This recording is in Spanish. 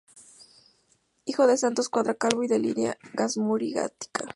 Hijo de Santos Cuadra Calvo y Delia Gazmuri Gatica.